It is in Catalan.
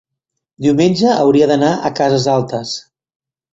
Diumenge hauria d'anar a Cases Altes.